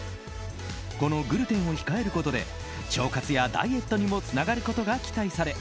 このグルテンを控えることで腸活やダイエットにもつながることが期待され